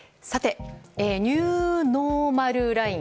ニューノーマルライン。